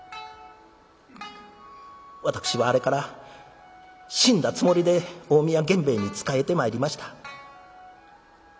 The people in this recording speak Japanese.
私はあれから死んだつもりで近江屋源兵衛に仕えてまいりました。